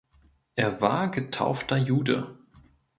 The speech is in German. Er war getaufter Jude.